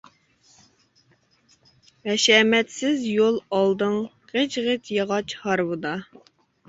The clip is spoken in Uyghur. ھەشەمەتسىز يول ئالدىڭ غىچ-غىچ ياغاچ ھارۋىدا.